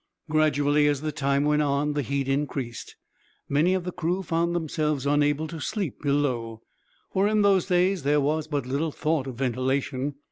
Gradually, as the time went on, the heat increased. Many of the crew found themselves unable to sleep below, for in those days there was but little thought of ventilation.